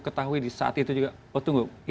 ketahui saat itu juga oh tunggu